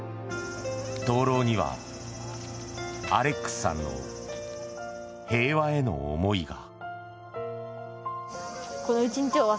灯ろうには、アレックスさんの平和への思いが。